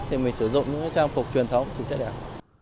thì mình sử dụng những trang phục truyền thống thì sẽ đẹp